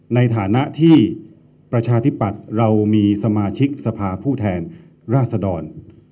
ในฐานะที่ประชาธิปัตย์เรามีสมาชิกสภาผู้แทนราษดร